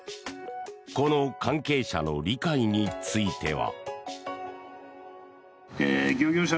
この関係者の理解については。